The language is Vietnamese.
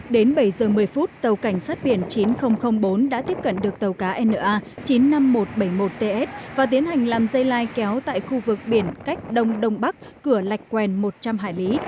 đến bảy giờ một mươi phút tàu cảnh sát biển chín nghìn bốn đã tiếp cận được tàu cá na chín mươi năm nghìn một trăm bảy mươi một ts và tiến hành làm dây lai kéo tại khu vực biển cách đông đông bắc cửa lạch quen một trăm linh hải lý